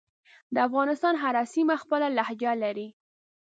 دافغانستان هره سیمه خپله لهجه لری